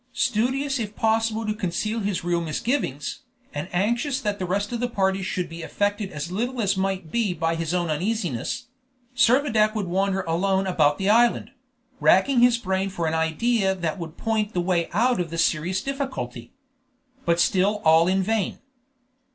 Studious if possible to conceal his real misgivings, and anxious that the rest of the party should be affected as little as might be by his own uneasiness, Servadac would wander alone about the island, racking his brain for an idea that would point the way out of the serious difficulty. But still all in vain.